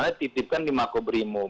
dititipkan di mako brimu